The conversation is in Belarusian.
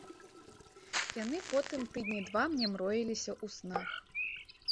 Яны потым тыдні два мне мроіліся ў снах.